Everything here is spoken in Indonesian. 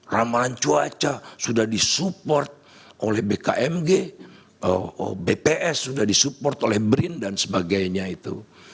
ramahan cuaca sudah disupport oleh bkmg bps sudah disupport oleh brin dan sebagainya itu